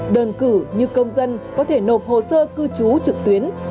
đơn cử như công dân có thể nộp hồ sơ cư trú trực tuyến